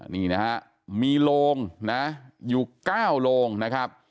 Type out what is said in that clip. นี่นะฮะมีโลงนะอยู่๙โลงนะครับ